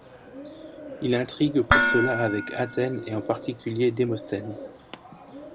Il intrigue pour cela avec Athènes et en particulier Démosthène.